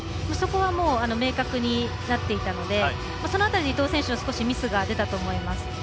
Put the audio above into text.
そこはもう明確になっていたのでその辺り、伊藤選手は少しミスが出たと思います。